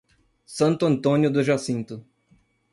Santo Antônio do Jacinto